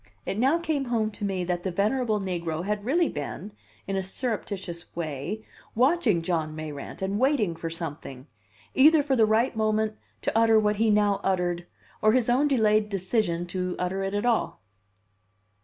It now came home to me that the venerable negro had really been, in a surreptitious way, watching John Mayrant, and waiting for something either for the right moment to utter what he now uttered, or his own delayed decision to utter it at all.